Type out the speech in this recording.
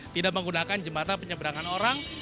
tidak menggunakan jembatan penyeberangan orang